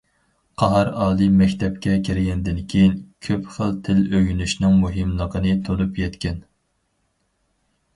قاھار ئالىي مەكتەپكە كىرگەندىن كېيىن، كۆپ خىل تىل ئۆگىنىشنىڭ مۇھىملىقىنى تونۇپ يەتكەن.